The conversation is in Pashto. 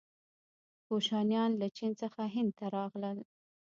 کوشانیان له چین څخه هند ته راغلل.